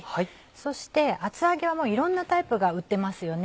そして厚揚げはいろんなタイプが売ってますよね。